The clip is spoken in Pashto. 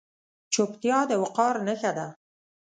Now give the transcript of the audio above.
چوپتیا، د وقار نښه ده.